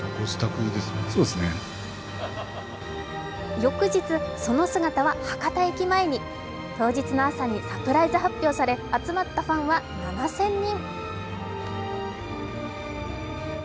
翌日、その姿は博多駅前に当日の朝にサプライズ発表され集まったファンは７０００人。